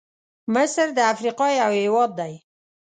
مصرد افریقا یو هېواد دی.